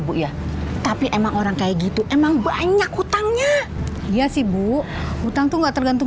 bu ya tapi emang orang kayak gitu emang banyak hutangnya iya sih bu utang tuh enggak tergantung